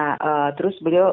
nah terus beliau